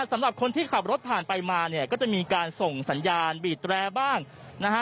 สำหรับคนที่ขับรถผ่านไปมาเนี่ยก็จะมีการส่งสัญญาณบีดแรร์บ้างนะฮะ